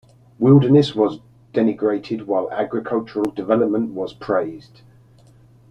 Wilderness was denigrated while agricultural development was praised.